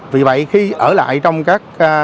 vì vậy khi ở lại trong các